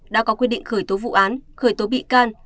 đã có quyết định khởi tố vụ án khởi tố bị can